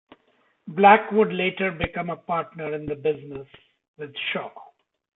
Black would later become a partner in the business with Shaw.